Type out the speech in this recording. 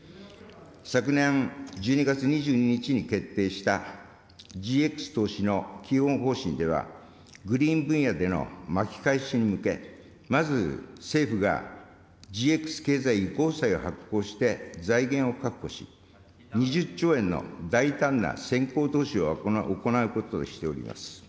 昨年１２月２２日に決定したＧＸ投資の基本方針では、グリーン分野での巻き返しに向け、まず政府がＧＸ経済移行債を発行して、財源を確保し、２０兆円の大胆な先行投資を行うこととしております。